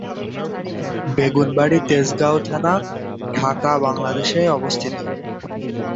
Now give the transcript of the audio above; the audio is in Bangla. বেগুন বাড়ি তেজগাঁও থানা, ঢাকা, বাংলাদেশে অবস্থিত।